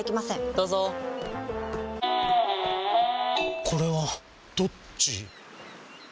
どうぞこれはどっち？